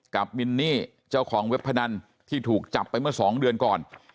มินนี่เจ้าของเว็บพนันที่ถูกจับไปเมื่อ๒เดือนก่อน